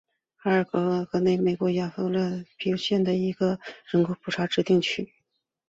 海瓦纳纳基亚是位于美国亚利桑那州皮马县的一个人口普查指定地区。